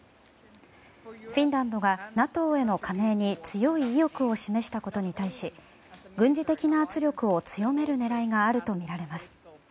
フィンランドがＮＡＴＯへの加盟に強い意欲を示したことに対し軍事的な圧力を強める狙いがあるとみられます。